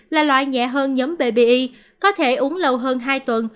là loại nhẹ hơn nhóm bbi có thể uống lâu hơn hai tuần